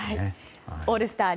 オールスター